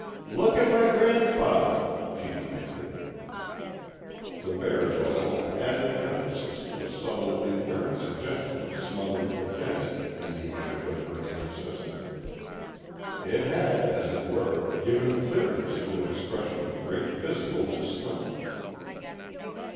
"Look at my grandfather!" she demanded. The bear's oil had added emphasis to a subtle, inherent suggestion of smothered profanity in the image of her ancestor. It had, as it were, given clearness to an expression of great physical discomfort.